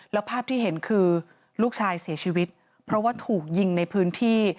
แล้วภาพที่เห็นคือลูกชายเสียชีวิตเพราะว่าถูกยิงในพื้นที่